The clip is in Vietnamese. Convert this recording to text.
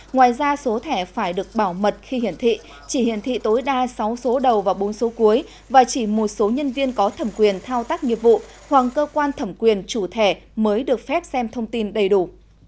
ngoài ra số thẻ phải được bảo mật khi hiển thị chỉ hiển thị tối đa sáu số đầu và bốn số cuối và chỉ một số nhân viên có thẩm quyền thao tác nghiệp vụ hoặc cơ quan thẩm quyền chủ thẻ mới được phép xem thông tin đầy đủ